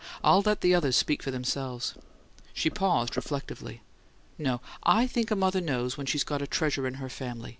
"I'll let the others speak for themselves." She paused reflectively. "No; I think a mother knows when she's got a treasure in her family.